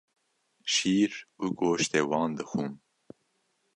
Şîr û goştê wan dixwin.